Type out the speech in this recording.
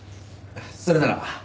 それなら。